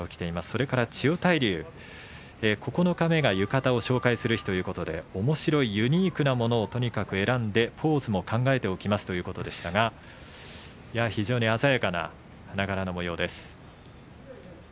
それから千代大龍九日目が浴衣を紹介する日ということでおもしろユニークなものをとにかく選んでポーズも考えておきますということでしたが非常に鮮やかな柄花柄の模様です。